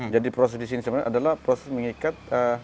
jadi proses di sini sebenarnya adalah proses mengikat